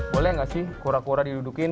boleh nggak sih kura kura didudukin